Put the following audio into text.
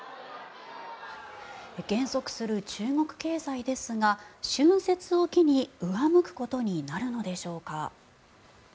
減速する中国経済ですが春節を機に上向くことになるのでしょうか。